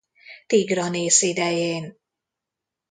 Tigranész idején.